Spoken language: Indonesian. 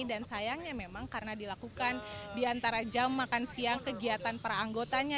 dan sayangnya memang karena dilakukan diantara jam makan siang kegiatan para anggotanya